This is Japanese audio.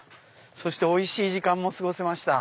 そしておいしい時間も過ごせました。